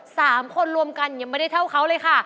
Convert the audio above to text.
สามคนรวมกันยังไม่ได้เท่าเขาเลยค่ะ